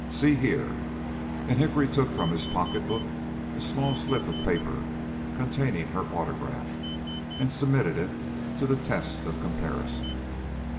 See here." And Hickory took from his pocket book a small slip of paper containing her autograph, and submitted it to the test of comparison.